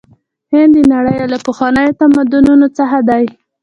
هند د نړۍ یو له پخوانیو تمدنونو څخه دی.